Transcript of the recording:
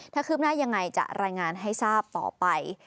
ถ้าคืบหน้ายังไงจะรายงานให้ทราบต่อไป